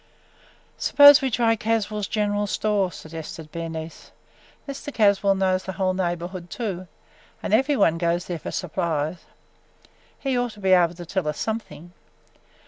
"Suppose we try Caswell's general store," suggested Bernice. "Mr. Caswell knows the whole neighborhood too, and every one goes there for supplies. He ought to be able to tell us something.